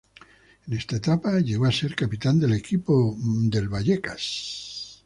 En esta etapa llegó a ser capitán del equipo de Vallecas.